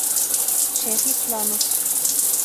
Шәйхисламов.